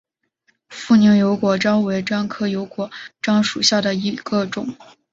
富宁油果樟为樟科油果樟属下的一个种。